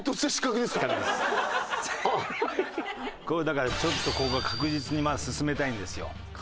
だからちょっとここは確実に進めたいんですよ。